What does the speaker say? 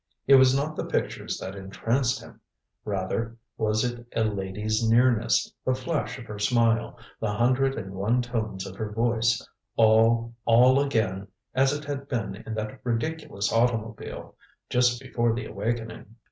It was not the pictures that entranced him. Rather, was it a lady's nearness, the flash of her smile, the hundred and one tones of her voice all, all again as it had been in that ridiculous automobile just before the awakening.